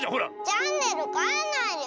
チャンネルかえないでよ。